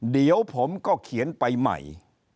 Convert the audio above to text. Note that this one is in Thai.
เดี๋ยวผมก็เขียนไปใหม่